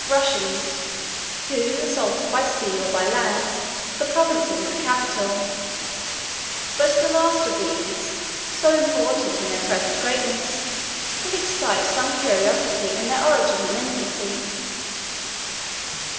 Russians, who assaulted by sea or by land the provinces and the capital; but the last of these, so important in their present greatness, will excite some curiosity in their origin and infancy.